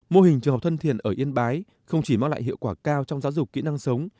mô hình trường học thân thiện ở yên bái không chỉ mang lại hiệu quả cao trong giáo dục kỹ năng sống